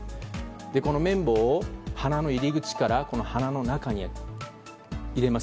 この綿棒を鼻の入り口から鼻の中に入れます。